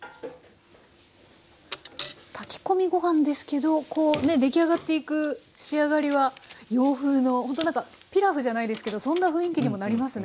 炊き込みご飯ですけどこうね出来上がっていく仕上がりは洋風のほんとなんかピラフじゃないですけどそんな雰囲気にもなりますね。